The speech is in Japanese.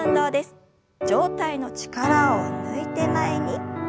上体の力を抜いて前に。